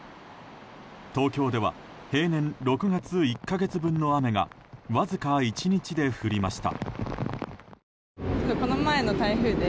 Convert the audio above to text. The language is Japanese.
東京では平年６月１か月分の雨がわずか１日で降りました。